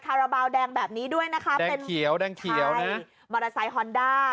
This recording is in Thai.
ราบาลแดงแบบนี้ด้วยนะคะเป็นเขียวแดงเขียวมอเตอร์ไซค์ฮอนด้า